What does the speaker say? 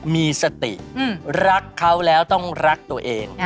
มีสติรักเขาแล้วต้องรักตัวเอง